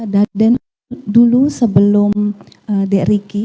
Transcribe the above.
darden dulu sebelum drk